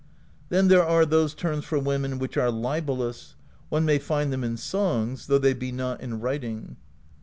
Then there are those terms for women which are libellous : one may find them in songs, though they be not in writing.